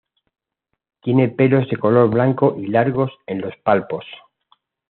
Tiene pelos de color blanco y largos en los palpos.